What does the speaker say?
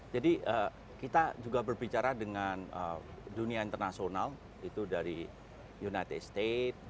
jadi kita juga berbicara dengan dunia internasional itu dari united states